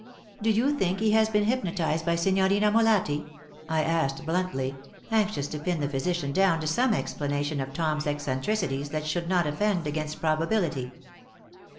"Do you think he has been hypnotized by Signorina Molatti?" I asked, bluntly, anxious to pin the physician down to some explanation of Tom's eccentricities that should not offend against probability.